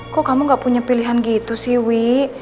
kok kamu gak punya pilihan gitu sih wi